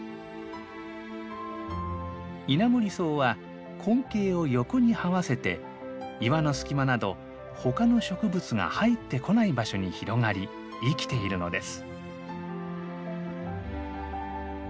イナモリソウは根茎を横にはわせて岩の隙間などほかの植物が入ってこない場所に広がり生きているのです。